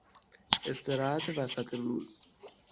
استراحت وسط روز